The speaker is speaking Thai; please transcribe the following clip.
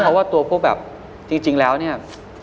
เพราะว่าตัวพวกแบบจริงแล้วเนี่ย